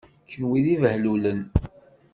Kenwi d ibehlulen!